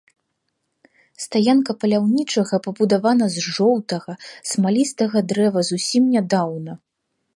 Стаянка паляўнічага пабудавана з жоўтага смалістага дрэва зусім нядаўна.